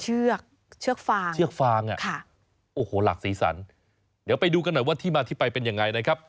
เชือกฟางโอ้โหหลักสีสันเดี๋ยวไปดูกันหน่อยว่าที่มาที่ไปเป็นยังไงนะครับ